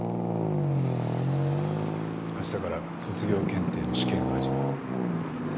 あしたから卒業検定の試験が始まる。